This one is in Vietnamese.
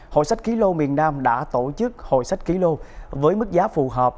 hội sách ký lô miền nam đã tổ chức hội sách ký lô với mức giá phù hợp